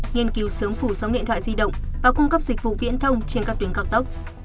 nghiên cứu sớm phủ sóng điện thoại di động và cung cấp dịch vụ viễn thông trên các tuyến cao tốc